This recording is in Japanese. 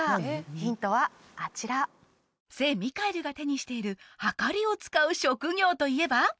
ヒントはあちら聖ミカエルが手にしているはかりを使う職業といえば？